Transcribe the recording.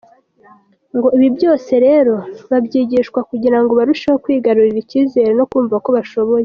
Ngo ibi byose rero babyigishwa kugira ngo barusheho kwigarurira icyizere, no kumva ko bashoboye.